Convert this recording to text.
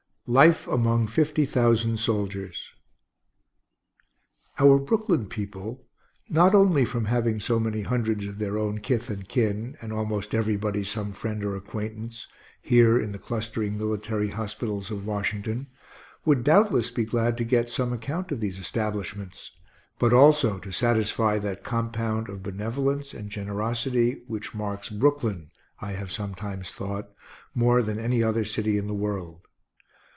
LIFE AMONG FIFTY THOUSAND SOLDIERS Our Brooklyn people, not only from having so many hundreds of their own kith and kin, and almost everybody some friend or acquaintance, here in the clustering military hospitals of Washington, would doubtless be glad to get some account of these establishments, but also to satisfy that compound of benevolence and generosity which marks Brooklyn, I have sometimes thought, more than any other city in the world.